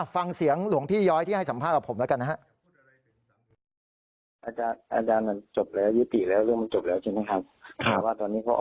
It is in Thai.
ฟังเสียงหลวงพี่ย้อยที่ให้สัมภาษณ์กับผมแล้วกันนะครับ